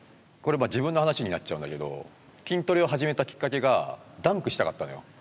これ自分の話になっちゃうんだけど筋トレを始めたきっかけがダンクしたかったのよ。